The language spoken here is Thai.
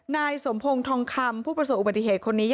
นายสมพงศ์ทองคำผู้ประสบอุบัติเหตุคนนี้